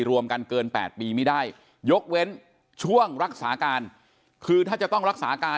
รวมกันเกิน๘ปีไม่ได้ยกเว้นช่วงรักษาการคือถ้าจะต้องรักษาการ